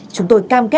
chúng tôi cam kết